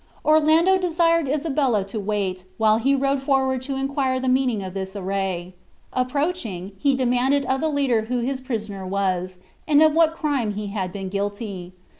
Orlando desired Isabella to wait, while he rode forward to inquire the meaning of this array. Approaching, he demanded of the leader who his prisoner was, and of what crime he had been guilty.